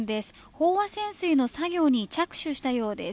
飽和潜水の作業に着手したようです。